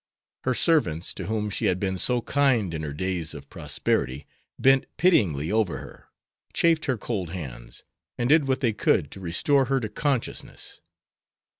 Her servants, to whom she had been so kind in her days of prosperity, bent pityingly over her, chafed her cold hands, and did what they could to restore her to consciousness.